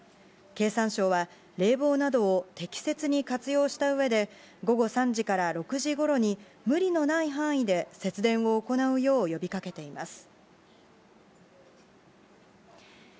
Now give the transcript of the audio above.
経産省は、冷房などを適切に活用したうえで、午後３時から６時ごろに、無理のない範囲で節電を行うよう呼びかけています。